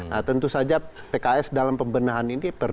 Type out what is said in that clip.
nah tentu saja pks dalam pembenahan ini